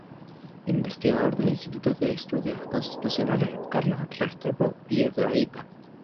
Investigador del Instituto de Estudios Constitucionales Carlos Restrepo Piedrahita.